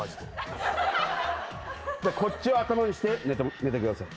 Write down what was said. こっちを頭にして寝てください。